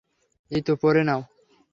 এইতো, পরে নাও।